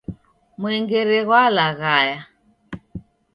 Mwengere ghwalaghaya.